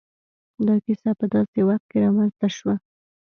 دا کيسه په داسې وخت کې را منځ ته شوه.